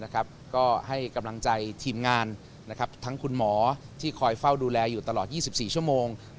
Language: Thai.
ก็ให้กำลังใจทีมงานทั้งคุณหมอที่คอยเฝ้าดูแลอยู่ตลอด๒๔ชั่วโมง